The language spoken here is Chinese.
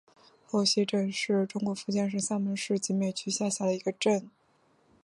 后溪镇是中国福建省厦门市集美区下辖的一个镇。